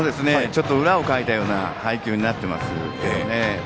裏をかいたような配球になっています。